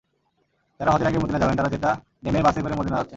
যাঁরা হজের আগে মদিনা যাবেন, তাঁরা জেদ্দা নেমে বাসে করে মদিনা যাচ্ছেন।